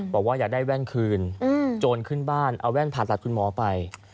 บอกว่าอยากได้แว่นคืนโจรขึ้นบ้านเอาแว่นผ่าตัดคุณหมอไป